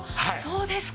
そうですか。